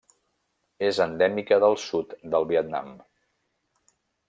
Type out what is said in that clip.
És endèmica del sud del Vietnam.